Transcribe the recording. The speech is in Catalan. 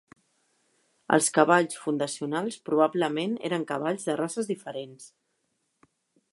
Els cavalls fundacionals probablement eren cavalls de races diferents.